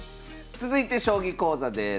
続いて将棋講座です。